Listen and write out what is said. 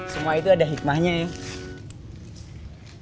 semua itu ada hikmahnya ya